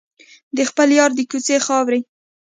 د خپل یار د کوڅې خاورې.